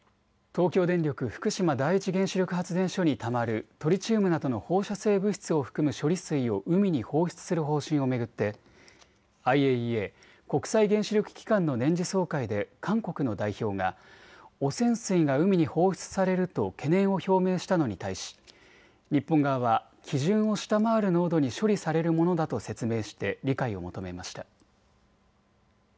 東京電力福島第一原子力発電所にたまるトリチウムなどの放射性物質を含む処理水を海に放出する方針を巡ってＩＡＥＡ・国際原子力機関の年次総会で韓国の代表が汚染水が海に放出されると懸念を表明したのに対し日本側は基準を下回る濃度に処理されるものだと説明して理解を求めました。